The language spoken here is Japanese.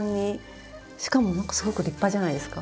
しかもなんかすごく立派じゃないですか。